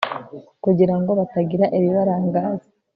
kugira ngo batagira ibibarangaza